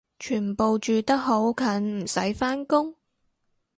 全部住得好近唔使返工？